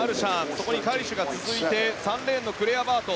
そこにカリシュが続いて３レーンのクレアバート。